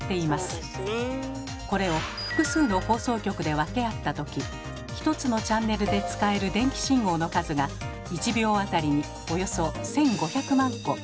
これを複数の放送局で分け合った時１つのチャンネルで使える電気信号の数が１秒当たりにおよそ１，５００万個ということなのです。